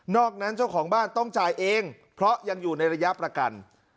อกนั้นเจ้าของบ้านต้องจ่ายเองเพราะยังอยู่ในระยะประกัน